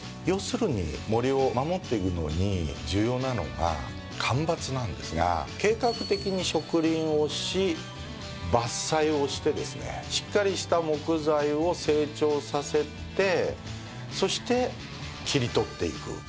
要するに森を守っていくのに重要なのが間伐なんですが計画的に植林をし伐採をしてですねしっかりした木材を成長させてそして切り取っていく。